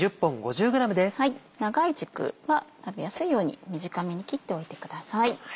長い軸は食べやすいように短めに切っておいてください。